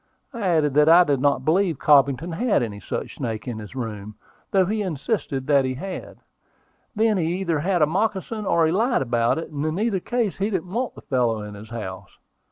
I added that I did not believe Cobbington had any such snake in his room, though he insisted that he had. Then he either had a moccasin, or he lied about it, and in either case he didn't want the fellow in his house.